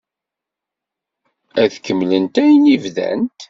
Ad kemmlent ayen i d-bdant?